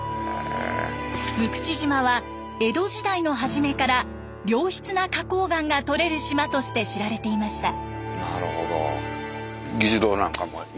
六口島は江戸時代の初めから良質な花こう岩がとれる島として知られていました。